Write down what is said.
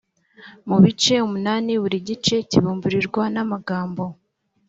mu bice umunani buri gice kibimburirwa n amagambo